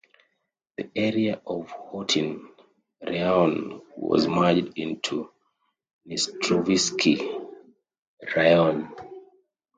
The area of Khotyn Raion was merged into Dnistrovskyi Raion.